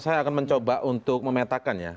saya akan mencoba untuk memetakannya